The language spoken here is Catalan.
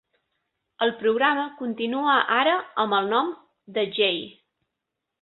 El programa continua ara amb el nom The J.